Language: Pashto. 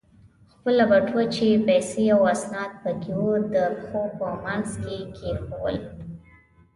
خپله بټوه چې پیسې او اسناد پکې و، د پښو په منځ کې کېښوول.